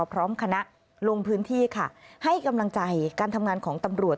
พร้อมคณะลงพื้นที่ค่ะให้กำลังใจการทำงานของตำรวจ